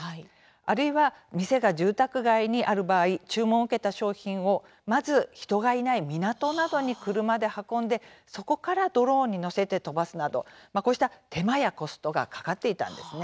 あるいは、店が住宅街にある場合注文を受けた商品をまず、人がいない港などに車で運んで、そこからドローンに載せて飛ばすなどこうした手間やコストがかかっていたんですね。